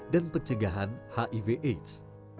dan pencegahan hiv aids